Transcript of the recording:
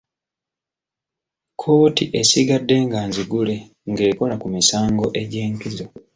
Kkooti esigadde nga nzigule ng'ekola ku misango egy'enkizo.